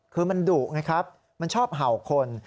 คือมันดุไงครับมันชอบเห่าคน